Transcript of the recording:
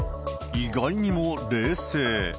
意外にも冷静。